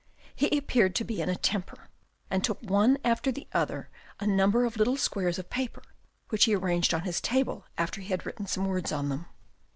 He appeared to be in a temper, and took one after the other a number of little squares of paper, which he arranged on his table after he had written some words on them.